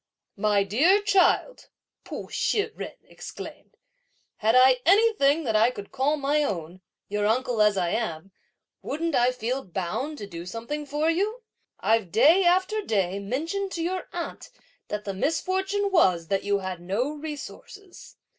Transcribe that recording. "My dear child," Pu Shih jen exclaimed, "had I anything that I could call my own, your uncle as I am, wouldn't I feel bound to do something for you? I've day after day mentioned to your aunt that the misfortune was that you had no resources.